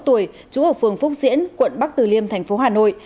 trú ở phường phúc diễn quận bắc từ liêm thành phố hà nội